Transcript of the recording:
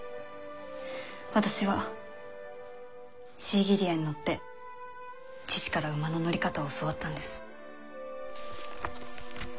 私はシーギリアに乗って父から馬の乗り方を教わったんです。